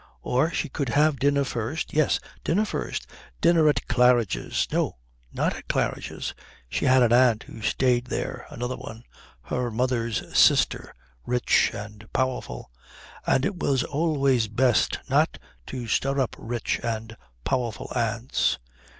Or she could have dinner first; yes, dinner first dinner at Claridge's. No, not at Claridge's; she had an aunt who stayed there, another one, her mother's sister, rich and powerful, and it was always best not to stir up rich and powerful aunts.